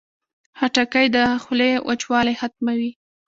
خټکۍ د خولې وچوالی ختموي.